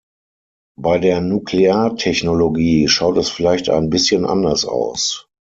Bei der Nukleartechnologie schaut es vielleicht ein bisschen anders aus.